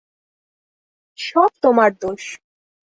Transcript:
সব তোমার দোষ।